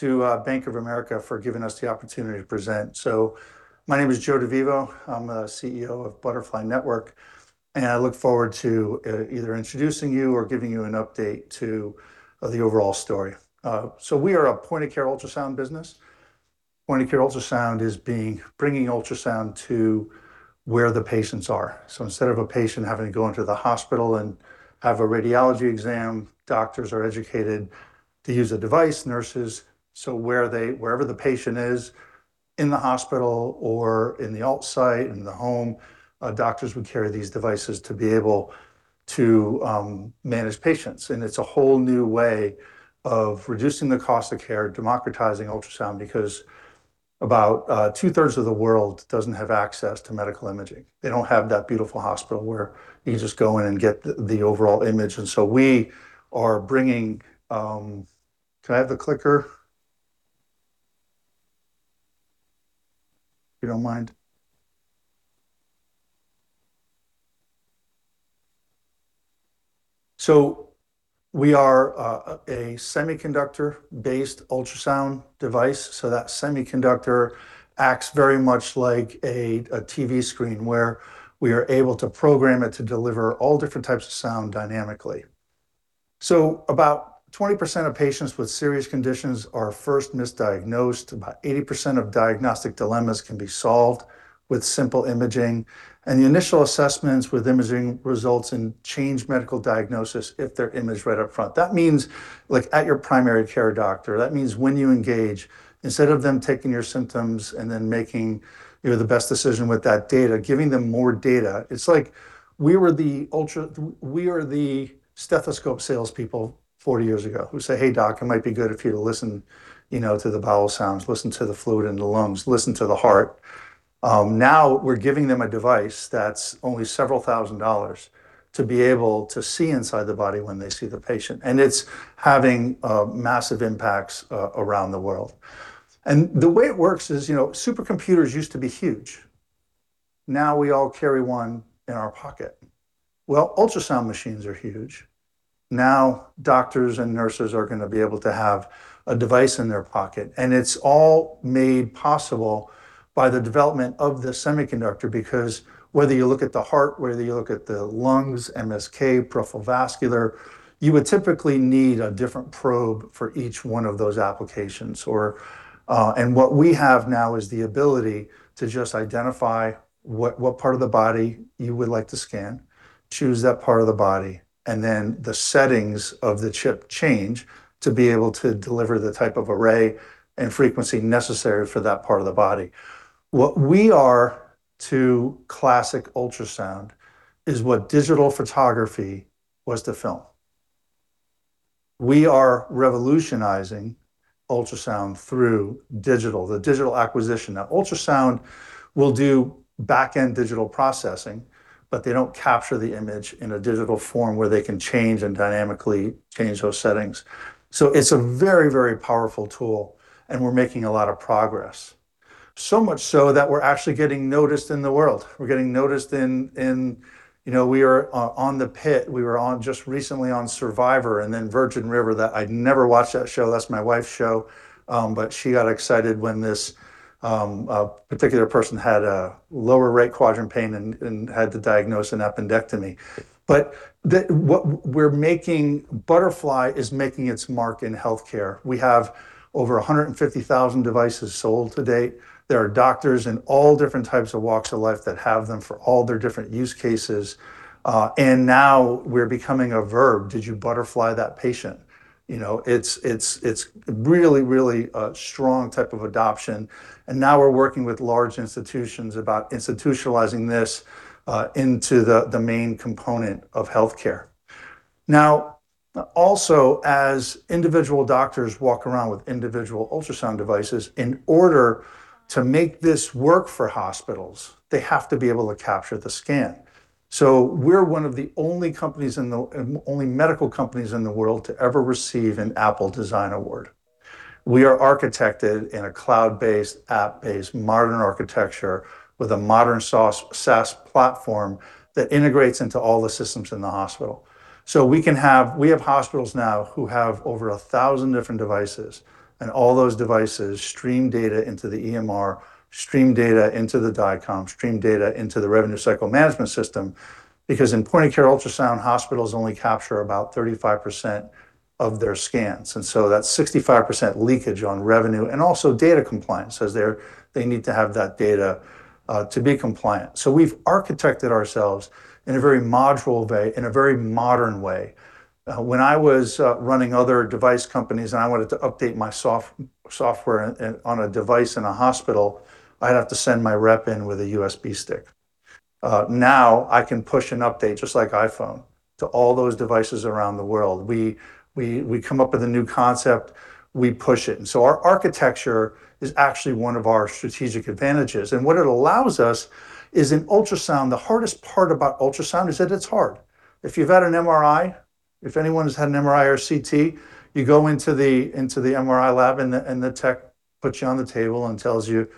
To Bank of America for giving us the opportunity to present. My name is Joe DeVivo. I'm CEO of Butterfly Network, and I look forward to either introducing you or giving you an update to the overall story. We are a point-of-care ultrasound business. Point-of-care ultrasound is bringing ultrasound to where the patients are. Instead of a patient having to go into the hospital and have a radiology exam, doctors are educated to use a device, nurses. Wherever the patient is, in the hospital or in the outside, in the home, doctors would carry these devices to be able to manage patients. It's a whole new way of reducing the cost of care, democratizing ultrasound, because about two-thirds of the world doesn't have access to medical imaging. They don't have that beautiful hospital where you just go in and get the overall image. We are a semiconductor-based ultrasound device. That semiconductor acts very much like a TV screen, where we are able to program it to deliver all different types of sound dynamically. About 20% of patients with serious conditions are first misdiagnosed. About 80% of diagnostic dilemmas can be solved with simple imaging, and the initial assessments with imaging results in changed medical diagnosis if they're imaged right up front. That means, like, at your primary care doctor. That means when you engage, instead of them taking your symptoms and then making, you know, the best decision with that data, giving them more data. It's like we are the stethoscope salespeople 40 years ago who say, "Hey, Doc, it might be good for you to listen, you know, to the bowel sounds, listen to the fluid in the lungs, listen to the heart." Now we're giving them a device that's only several thousand dollars to be able to see inside the body when they see the patient, and it's having massive impacts around the world. The way it works is, you know, supercomputers used to be huge. Now we all carry one in our pocket. Ultrasound machines are huge. Now doctors and nurses are gonna be able to have a device in their pocket, and it's all made possible by the development of the semiconductor because whether you look at the heart, whether you look at the lungs, MSK, peripheral vascular, you would typically need a different probe for each one of those applications. What we have now is the ability to just identify what part of the body you would like to scan, choose that part of the body, and then the settings of the chip change to be able to deliver the type of array and frequency necessary for that part of the body. What we are to classic ultrasound is what digital photography was to film. We are revolutionizing ultrasound through digital, the digital acquisition. Ultrasound will do back-end digital processing, but they don't capture the image in a digital form where they can change and dynamically change those settings. It's a very, very powerful tool, and we're making a lot of progress. Much so that we're actually getting noticed in the world. We're getting noticed in, you know, We are on The Pitt. We were on, just recently, on Survivor and then Virgin River that I'd never watched that show. That's my wife's show. She got excited when this particular person had a lower right quadrant pain and had to diagnose an appendectomy. Butterfly is making its mark in healthcare. We have over 150,000 devices sold to date. There are doctors in all different types of walks of life that have them for all their different use cases. Now we're becoming a verb. Did you Butterfly that patient? You know, it's really a strong type of adoption, now we're working with large institutions about institutionalizing this into the main component of healthcare. Also, as individual doctors walk around with individual ultrasound devices, in order to make this work for hospitals, they have to be able to capture the scan. We're one of the only companies in the only medical companies in the world to ever receive an Apple Design Award. We are architected in a cloud-based, app-based modern architecture with a modern SaaS platform that integrates into all the systems in the hospital. We have hospitals now who have over 1,000 different devices, and all those devices stream data into the EMR, stream data into the DICOM, stream data into the revenue cycle management system. Because in point-of-care ultrasound, hospitals only capture about 35% of their scans. That's 65% leakage on revenue. Also data compliance, they need to have that data to be compliant. We've architected ourselves in a very module way, in a very modern way. When I was running other device companies and I wanted to update my software on a device in a hospital, I'd have to send my rep in with a USB stick. Now I can push an update just like iPhone to all those devices around the world. We come up with a new concept, we push it. Our architecture is actually one of our strategic advantages. What it allows us is in ultrasound, the hardest part about ultrasound is that it's hard. If you've had an MRI, if anyone has had an MRI or a CT, you go into the, into the MRI lab and the, and the tech puts you on the table and tells you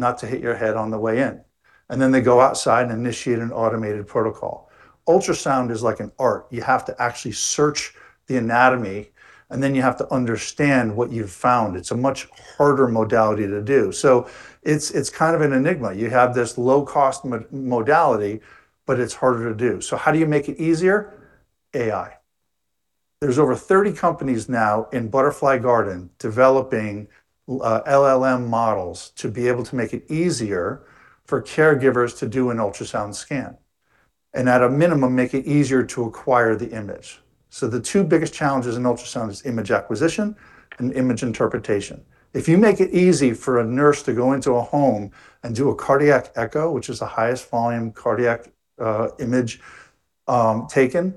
not to hit your head on the way in, and then they go outside and initiate an automated protocol. Ultrasound is like an art. You have to actually search the anatomy, and then you have to understand what you've found. It's a much harder modality to do. It's kind of an enigma. You have this low-cost modality, but it's harder to do. How do you make it easier? AI. There's over 30 companies now in Butterfly Garden developing LLM models to be able to make it easier for caregivers to do an ultrasound scan, and at a minimum, make it easier to acquire the image. The two biggest challenges in ultrasound is image acquisition and image interpretation. If you make it easy for a nurse to go into a home and do a cardiac echo, which is the highest volume cardiac image taken,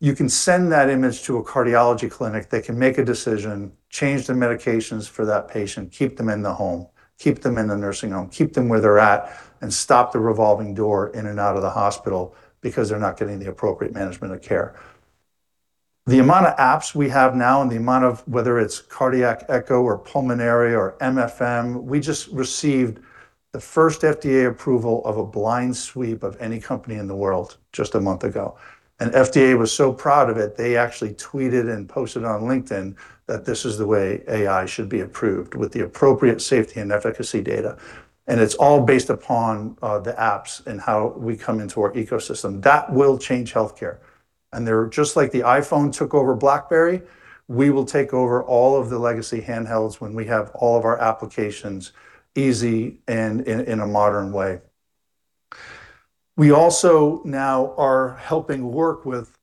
you can send that image to a cardiology clinic. They can make a decision, change the medications for that patient, keep them in the home, keep them in the nursing home, keep them where they're at, and stop the revolving door in and out of the hospital because they're not getting the appropriate management of care. The amount of apps we have now and the amount of whether it's cardiac echo or pulmonary or MFM, we just received the first FDA approval of a blind sweep of any company in the world just a month ago. FDA was so proud of it, they actually tweeted and posted on LinkedIn that this is the way AI should be approved with the appropriate safety and efficacy data, and it's all based upon the apps and how we come into our ecosystem. That will change healthcare. They're just like the iPhone took over BlackBerry, we will take over all of the legacy handhelds when we have all of our applications easy and in a modern way. We also now are helping work with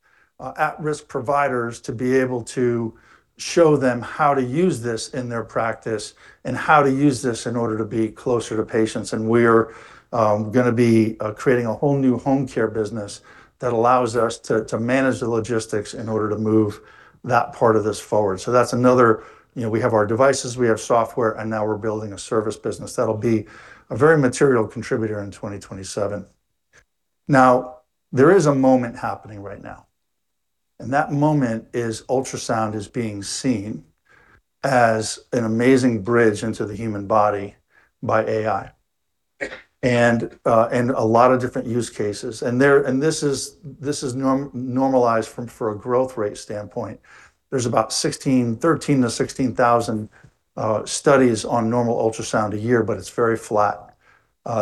at-risk providers to be able to show them how to use this in their practice and how to use this in order to be closer to patients. We're gonna be creating a whole new home care business that allows us to manage the logistics in order to move that part of this forward. That's another, you know, we have our devices, we have software, and now we're building a service business. That'll be a very material contributor in 2027. There is a moment happening right now, and that moment is ultrasound is being seen as an amazing bridge into the human body by AI and a lot of different use cases. This is normalized from for a growth rate standpoint. There's about 13,000-16,000 studies on normal ultrasound a year, but it's very flat.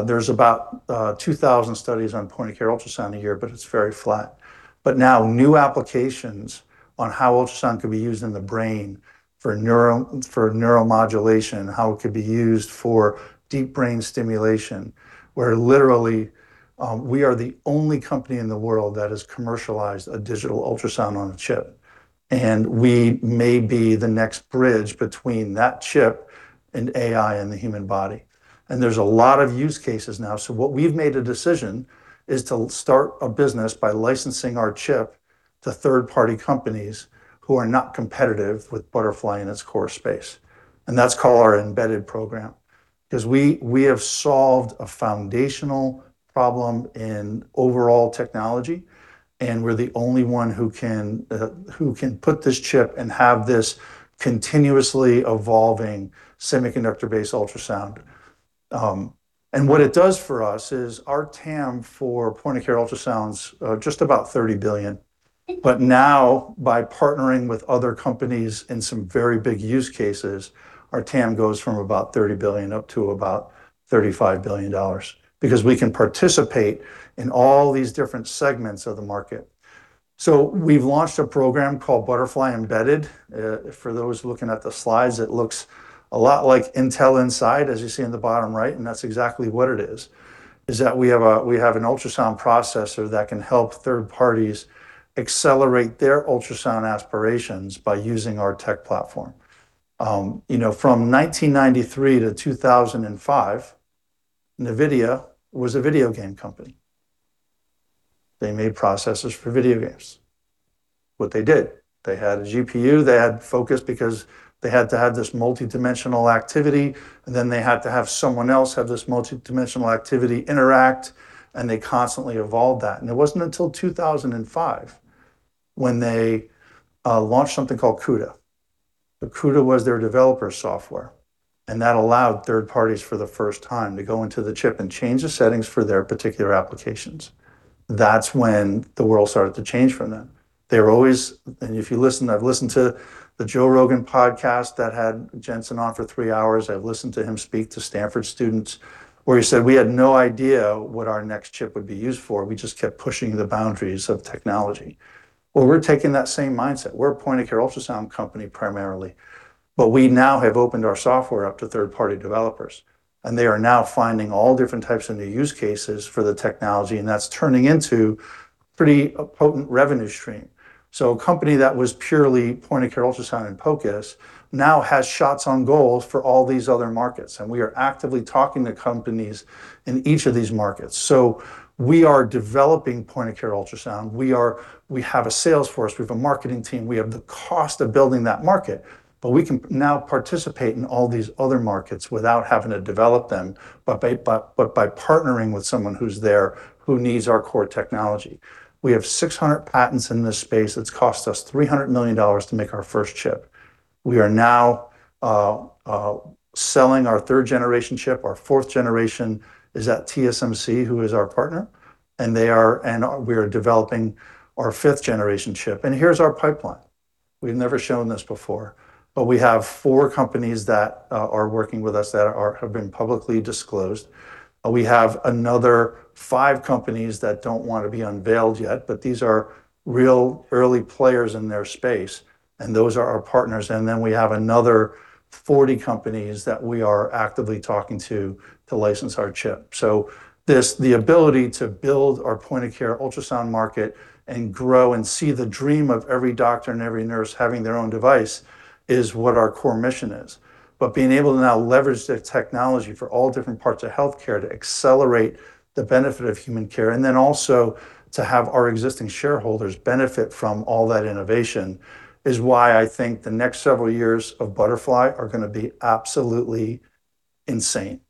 There's about 2,000 studies on point-of-care ultrasound a year, but it's very flat. Now new applications on how ultrasound could be used in the brain for neuro, for neuromodulation, how it could be used for deep brain stimulation, where literally, we are the only one company in the world that has commercialized a digital Ultrasound-on-Chip, and we may be the next bridge between that chip and AI in the human body. There's a lot of use cases now. What we've made a decision is to start a business by licensing our chip to third-party companies who are not competitive with Butterfly in its core space, and that's called our Embedded program. We have solved a foundational problem in overall technology, and we're the only one who can put this chip and have this continuously evolving semiconductor-based ultrasound. What it does for us is our TAM for point-of-care ultrasounds, just about $30 billion. Now by partnering with other companies in some very big use cases, our TAM goes from about $30 billion up to about $35 billion because we can participate in all these different segments of the market. We've launched a program called Butterfly Embedded. For those looking at the slides, it looks a lot like Intel Inside, as you see in the bottom right, and that's exactly what it is that we have an ultrasound processor that can help third parties accelerate their ultrasound aspirations by using our tech platform. You know, from 1993 to 2005, NVIDIA was a video game company. They made processors for video games. What they did, they had a GPU, they had focus because they had to have this multidimensional activity, and then they had to have someone else have this multidimensional activity interact, and they constantly evolved that. It wasn't until 2005 when they launched something called CUDA. CUDA was their developer software, and that allowed third parties for the first time to go into the chip and change the settings for their particular applications. That's when the world started to change for them. If you listen, I've listened to the Joe Rogan podcast that had Jensen on for three hours. I've listened to him speak to Stanford students, where he said, "We had no idea what our next chip would be used for. We just kept pushing the boundaries of technology." Well, we're taking that same mindset. We're a point-of-care ultrasound company primarily, but we now have opened our software up to third-party developers, and they are now finding all different types of new use cases for the technology, and that's turning into pretty a potent revenue stream. A company that was purely point-of-care ultrasound and POCUS now has shots on goals for all these other markets, and we are actively talking to companies in each of these markets. We are developing point-of-care ultrasound. We have a sales force. We have a marketing team. We have the cost of building that market. We can now participate in all these other markets without having to develop them, but by partnering with someone who's there who needs our core technology. We have 600 patents in this space. It's cost us $300 million to make our first chip. We are now selling our third generation chip. Our fourth generation is at TSMC, who is our partner, and we are developing our fifth generation chip. Here's our pipeline. We've never shown this before, but we have four companies that are working with us that are, have been publicly disclosed. We have another five companies that don't want to be unveiled yet, but these are real early players in their space, and those are our partners. We have another 40 companies that we are actively talking to to license our chip. This, the ability to build our point of care ultrasound market and grow and see the dream of every doctor and every nurse having their own device is what our core mission is. Being able to now leverage the technology for all different parts of healthcare to accelerate the benefit of human care, also to have our existing shareholders benefit from all that innovation is why I think the next several years of Butterfly are gonna be absolutely insane.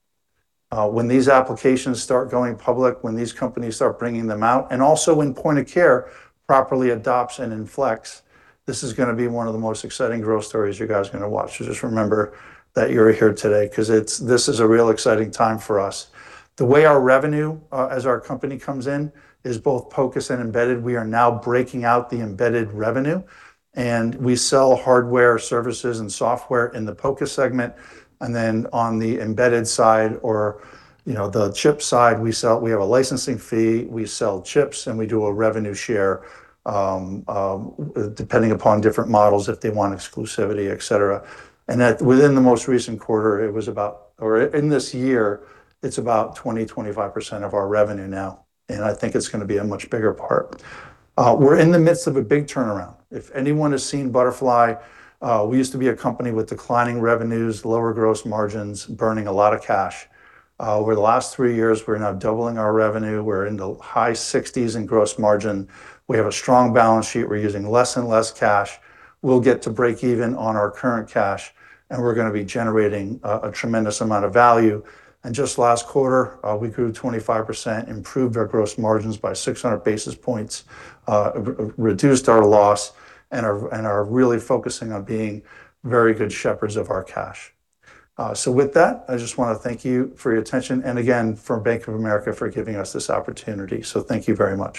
When these applications start going public, when these companies start bringing them out, and also when point of care properly adopts and inflects, this is gonna be one of the most exciting growth stories you guys are gonna watch. Just remember that you're here today 'cause this is a real exciting time for us. The way our revenue, as our company comes in, is both POCUS and embedded. We are now breaking out the embedded revenue, we sell hardware services and software in the POCUS segment, then on the embedded side or, you know, the chip side, we have a licensing fee, we sell chips, and we do a revenue share depending upon different models if they want exclusivity, et cetera. Within the most recent quarter, it was about, or in this year, it's about 20%, 25% of our revenue now, and I think it's gonna be a much bigger part. We're in the midst of a big turnaround. If anyone has seen Butterfly, we used to be a company with declining revenues, lower gross margins, burning a lot of cash. Over the last three years, we're now doubling our revenue. We're in the high 60s in gross margin. We have a strong balance sheet. We're using less and less cash. We'll get to break even on our current cash, we're going to be generating a tremendous amount of value. Just last quarter, we grew 25%, improved our gross margins by 600 basis points, reduced our loss, and are really focusing on being very good shepherds of our cash. With that, I just want to thank you for your attention, and again, for Bank of America for giving us this opportunity. Thank you very much.